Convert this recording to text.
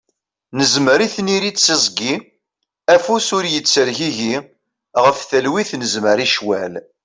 Nezmer i tniri d tiẓgi, afus ur ittergigi, ɣef talwit nezmer i ccwal.